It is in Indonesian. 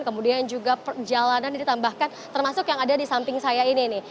kemudian juga perjalanan ditambahkan termasuk yang ada di samping saya ini nih